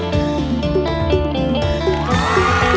เธอไม่รู้ว่าเธอไม่รู้